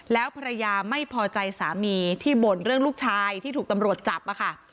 แล้วภรรยาไม่พอใจสามีที่บ่นเรื่องลูกชายที่ถูกตำรวจจับอะค่ะ